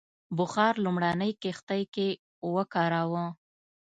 بخار لومړنۍ کښتۍ کې وکاراوه.